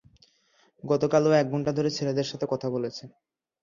গতকাল, ও এক ঘন্টা ধরে ছেলেদের সাথে কথা বলেছে।